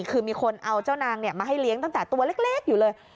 คือมีคนเอาเจ้านางมาให้เลี้ยงตั้งแต่ตัวเล็กอยู่เลย